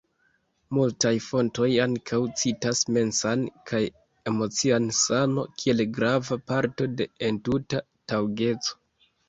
Multaj fontoj ankaŭ citas mensan kaj emocian sano kiel grava parto de entuta taŭgeco.